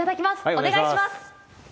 お願いします。